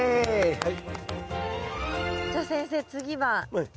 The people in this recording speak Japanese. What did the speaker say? はい。